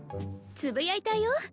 つぶやいたーよ